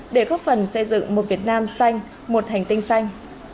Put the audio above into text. để góp phần xây dựng một việt nam xanh một hành tinh xanh